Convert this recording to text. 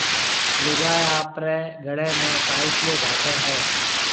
لوگائيَ آپريَ گݪيَ ۾ تائٿيو گھاتيَ ھيََََ